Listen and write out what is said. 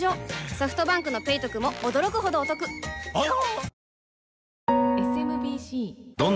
ソフトバンクの「ペイトク」も驚くほどおトクわぁ！